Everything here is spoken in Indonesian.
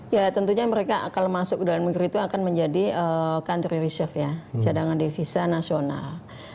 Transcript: ya tentunya mereka kalau masuk ke dalam negeri itu akan menjadi country reserve ya cadangan devisa nasional